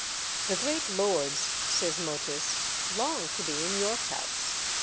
"The great lords," says Meautys, "long to be in York House.